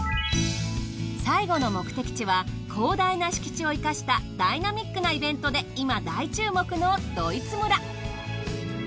最後の目的地は広大な敷地を生かしたダイナミックなイベントで今大注目のドイツ村。